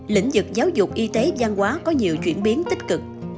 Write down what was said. lĩnh vực giáo dục y tế gian hóa có nhiều chuyển biến tích cực